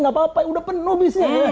gak apa apa udah penuh misinya